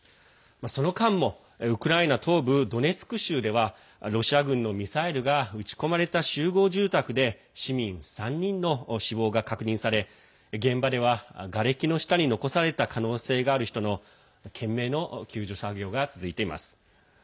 その間もウクライナ東部ドネツク州ではロシア軍のミサイルが撃ち込まれた集合住宅で市民３人の死亡が確認され現場では、がれきの下に残された可能性がある人の懸命の救助作業が続いています。